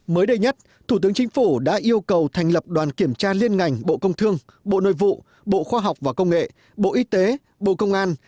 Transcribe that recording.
mới đây nhất thủ tướng chính phủ đã yêu cầu thành lập đoàn kiểm tra liên ngành bộ công thương bộ nội vụ bộ khoa học và công nghệ bộ y tế bộ công an